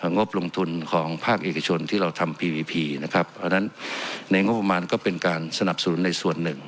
งบลงทุนของภาคเอกชนที่เราทำพีพีพีนะครับเพราะฉะนั้นในงบประมาณก็เป็นการสนับสนุนในส่วนหนึ่ง